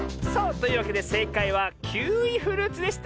というわけでせいかいはキウイフルーツでした！